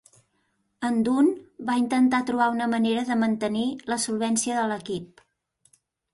En Dunn va intentar trobar una manera de mantenir la solvència de l'equip.